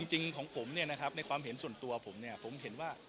จริงของผมเนี่ยนะครับในความเห็นส่วนตัวผมเนี่ยผมเห็นว่า